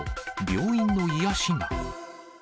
病院の癒やしが。